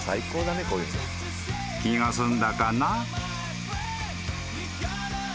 ［気が済んだかな？］